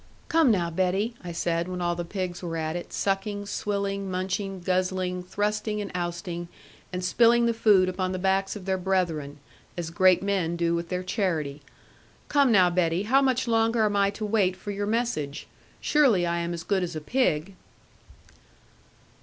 'Come now, Betty,' I said, when all the pigs were at it sucking, swilling, munching, guzzling, thrusting, and ousting, and spilling the food upon the backs of their brethren (as great men do with their charity), 'come now, Betty, how much longer am I to wait for your message? Surely I am as good as a pig.'